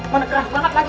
mana keras banget lagi